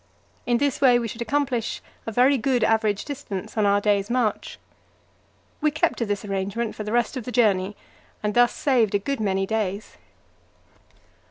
In this way we should accomplish a very good average distance on our day's march. We kept to this arrangement for the rest of the journey, and thus saved a good many days.